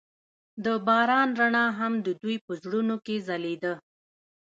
د باران رڼا هم د دوی په زړونو کې ځلېده.